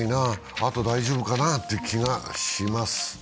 あと大丈夫かなという気がします。